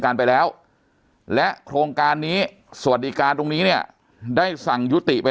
การไปแล้วและโครงการนี้สวัสดิการตรงนี้เนี่ยได้สั่งยุติไป